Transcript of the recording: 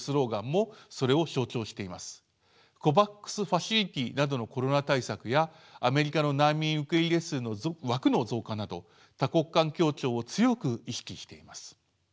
ＣＯＶＡＸファシリティなどのコロナ対策やアメリカの難民受け入れ数の枠の増加など多国間協調を強く意識しています。